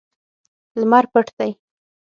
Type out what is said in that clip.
لمر پټ دی